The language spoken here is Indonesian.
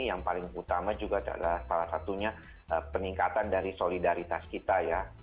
yang paling utama juga adalah salah satunya peningkatan dari solidaritas kita ya